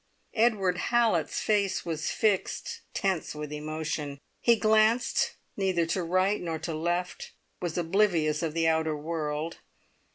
Edward Hallett's face was fixed tense with emotion. He glanced neither to right nor to left was oblivious of the outer world.